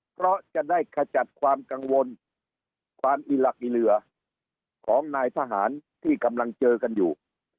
เพราะจะได้ขจัดความกังวลความอิหลักอีเหลือของนายทหารที่กำลังเจอกันอยู่